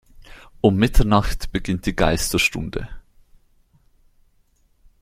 Um Mitternacht beginnt die Geisterstunde.